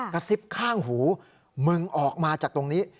กระซิบข้างหูมึงออกมาจากตรงนี้